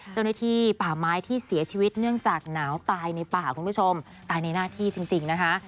เจ้าหน้าที่ป่าไม้ที่เสียชีวิตเนื่องจากหนาวตายในป่าคุณผู้ชมตายในหน้าที่จริงนะคะ